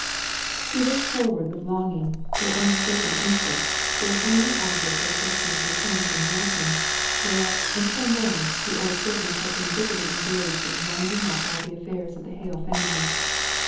She looked forward with longing, though unspoken interest to the homely object of Dixon's return from Milton; where, until now, the old servant had been busily engaged in winding up all the affairs of the Hale family.